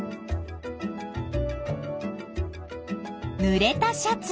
ぬれたシャツ。